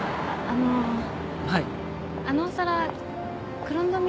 あっはい。